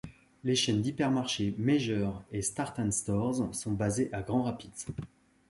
Les chaînes d'hypermarchés Meijer et Spartan Stores sont basées à Grand Rapids.